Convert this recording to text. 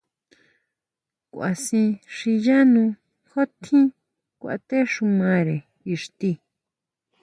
Kʼuasin xiyano ju tjín kjuatéxumare ixti.